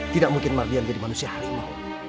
tidak mungkin mardian menjadi manusia harimau